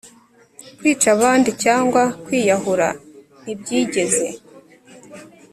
kwica abandi cyangwa kwiyahura ntibyigeze